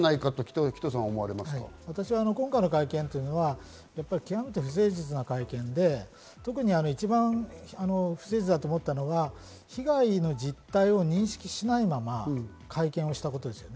私は今回の会見というのは極めて不誠実な会見で、特に一番不誠実だと思ったのは、被害の実態を認識しないまま会見をしたことです。